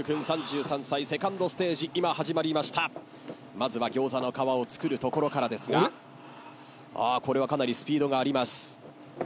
まずは餃子の皮を作るところからですがこれはかなりスピードがあります。